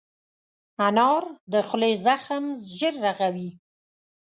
انار د خولې زخم ژر رغوي.